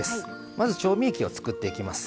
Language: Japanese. まず調味液を作っていきます。